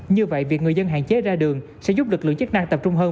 như vậy việc người dân hạn chế ra đường sẽ giúp lực lượng chức năng tập trung hơn